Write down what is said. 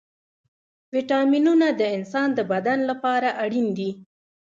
ويټامينونه د انسان د بدن لپاره اړين دي.